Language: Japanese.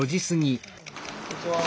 こんにちは。